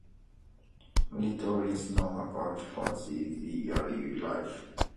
Little is known about Fraser's early life.